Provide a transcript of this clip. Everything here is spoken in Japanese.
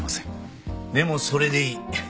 でもそれでいい。